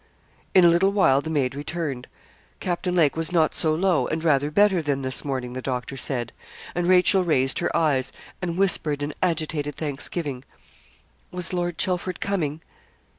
In a little while the maid returned. Captain Lake was not so low, and rather better than this morning, the doctor said; and Rachel raised her eyes, and whispered an agitated thanksgiving. 'Was Lord Chelford coming?'